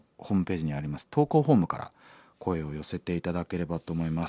投稿フォームから声を寄せて頂ければと思います。